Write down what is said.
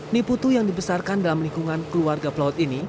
niputu yang dibesarkan dalam lingkungan keluarga pelaut ini